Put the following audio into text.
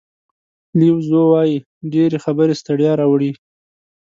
لیو زو وایي ډېرې خبرې ستړیا راوړي.